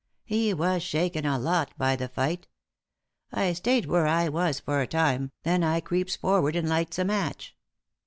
He was shaken a lot by the fight. I stayed where I was for a time, then I creeps forward and lights a match."